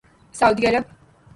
سعودی عرب